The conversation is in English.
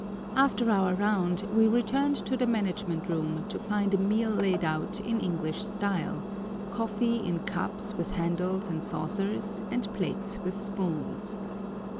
After our round we returned to the management room to find a meal laid out in English style—coffee in cups with handles and saucers, and plates with spoons.